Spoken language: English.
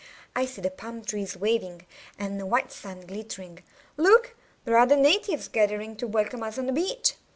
I see the palm trees waving, and the white sand glittering. Look! there are the natives gathering to welcome us on the beach.